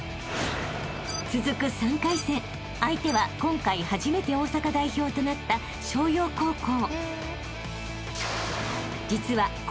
［続く３回戦相手は今回初めて大阪代表となった昇陽高校］